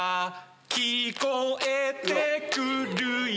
きこえてくるよ